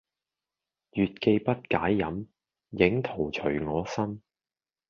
月既不解飲，影徒隨我身